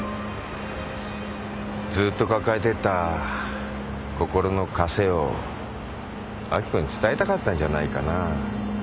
ずっと抱えてた心のかせを明子に伝えたかったんじゃないかな？